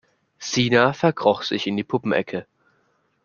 Sina verkroch sich in die Puppenecke.